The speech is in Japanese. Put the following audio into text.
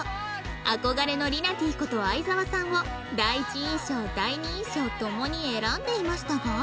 憧れのりなてぃこと沢さんを第一印象第二印象ともに選んでいましたが